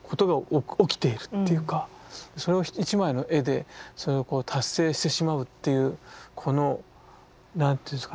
それを一枚の絵でそれを達成してしまうっていうこの何ていうんですかね